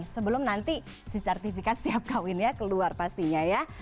sebelum nanti si sertifikat siap kawinnya keluar pastinya ya